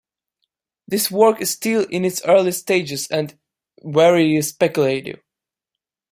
This work is still in its early stages and very speculative.